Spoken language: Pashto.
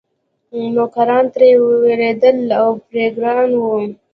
نوکران ترې وېرېدل او پرې ګران وو.